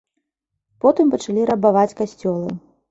Потым пачалі рабаваць касцёлы.